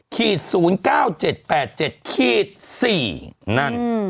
ขีดศูนย์เก้าเจ็ดแปดเจ็ดขีดสี่นั่น